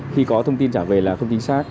khi có thông tin trả về là không chính xác